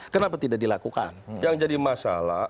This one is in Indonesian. kenapa tidak dilakukan yang jadi masalah